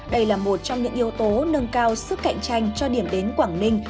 đây là một trong những yếu tố nâng cao sức cạnh tranh cho điểm đến quảng ninh